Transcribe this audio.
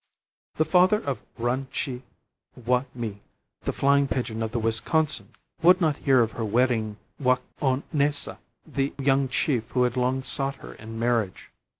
The father of Ran che wai me, the flying pigeon of the Wisconsin, would not hear of her wedding Wai o naisa, the young chief who had long sought her in marriage.